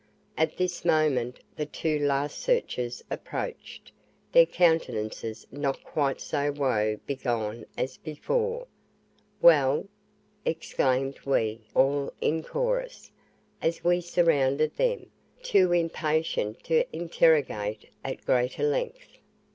At this moment the two last searchers approached, their countenances not quite so woe begone as before. "Well?" exclaimed we all in chorus, as we surrounded them, too impatient to interrogate at greater length.